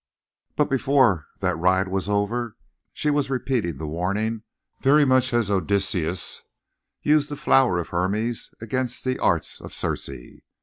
But before that ride was over she was repeating that warning very much as Odysseus used the flower of Hermes against the arts of Circe.